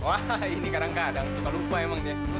wah ini kadang kadang suka lupa emang dia